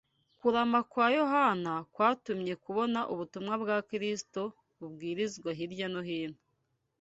Kurama kwa Yohana kwamuteye kubona ubutumwa bwa Kristo bubwirizwa hirya no hino